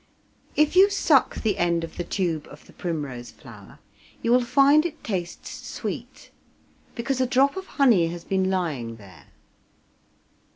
If you suck the end of the tube of the primrose flower you will find it tastes sweet, because a drop of honey has been lying there.